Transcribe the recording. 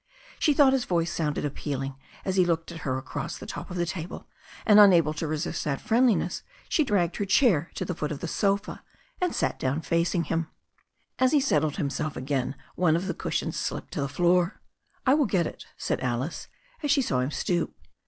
She thought his voice sounded appealing as he looked at her across the top of the table, and unable to resist that friendliness, she dragged her chair to the foot of the sofa, and sat down facing him. THE STORY OF A NEW ZEALAND RIVER 301 As he settled himself again one of his cushions slipped to the floor. "I will get it/' said Alice, as she saw him stoop.